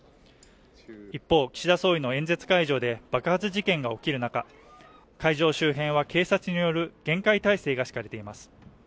一方、岸田総理の演説会場で爆発事件が起きる中、会場周辺は警察による厳戒態勢が敷かれています。